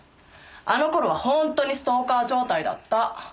あの頃は本当にストーカー状態だった。